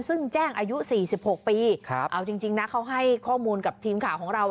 ซึ่งแจ้งอายุสี่สิบหกปีครับเอาจริงจริงนะเขาให้ข้อมูลกับทีมข่าวของเรา